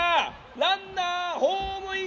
ランナーホームイン！